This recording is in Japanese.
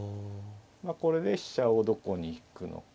これで飛車をどこに引くのか。